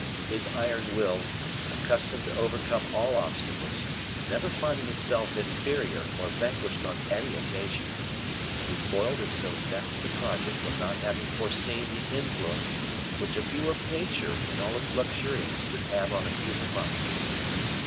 His iron will, accustomed to overcome all obstacles, never finding itself inferior or vanquished on any occasion, to be foiled in so vast a project from not having foreseen the influence which a view of nature in all its luxuriance would have on the human mind!